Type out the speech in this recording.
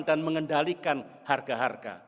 dan mengendalikan harga harga